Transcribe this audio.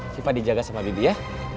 syifa dijaga sama bibi ya